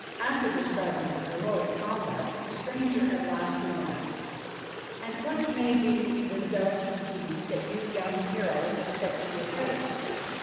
After describing some heroic combats the stranger at last remarked, ' And what may be the doughty deeds that you young heroes have set to your credit